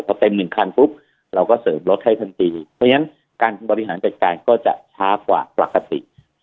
พอเต็มหนึ่งคันปุ๊บเราก็เสริมรถให้ทันทีเพราะฉะนั้นการบริหารจัดการก็จะช้ากว่าปกติ